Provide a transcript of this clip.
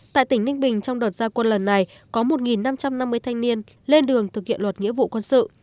tại tỉnh ninh bình trong đợt gia quân lần này có một năm trăm năm mươi thanh niên lên đường thực hiện luật nghĩa vụ quân sự